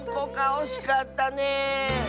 おしかったねえ！